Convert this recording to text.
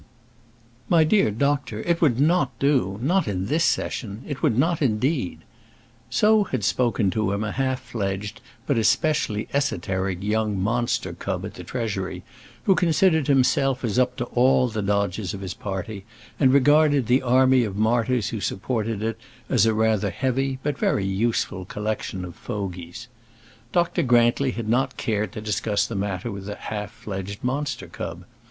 "My dear doctor, it would not do; not in this session; it would not indeed." So had spoken to him a half fledged but especially esoteric young monster cub at the Treasury, who considered himself as up to all the dodges of his party, and regarded the army of martyrs who supported it as a rather heavy, but very useful collection of fogeys. Dr. Grantly had not cared to discuss the matter with the half fledged monster cub.